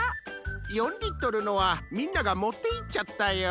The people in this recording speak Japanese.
４リットルのはみんながもっていっちゃったよ。